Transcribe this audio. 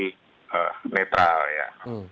mengambil posisi netral ya